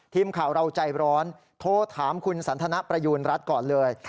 ทีมข่าวเราใจร้อนโทรถามคุณสันทนประยูณรัฐก่อนเลย